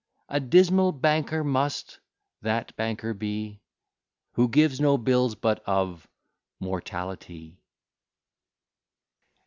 A dismal banker must that banker be, Who gives no bills but of mortality!